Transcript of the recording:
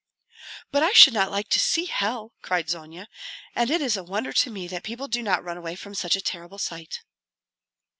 "But I should not like to see hell," cried Zonia, "and it is a wonder to me that people do not run away from such a terrible sight."